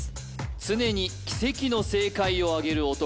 常に奇跡の正解をあげる男